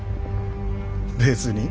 別に。